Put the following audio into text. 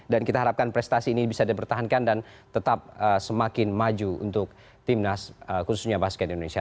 dan kita harapkan prestasi ini bisa dipertahankan dan tetap semakin maju untuk tim nas khususnya basket indonesia